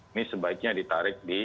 ini sebaiknya ditarik di